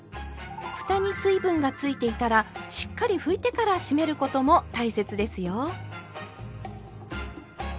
ふたに水分がついていたらしっかり拭いてから閉めることも大切ですよ。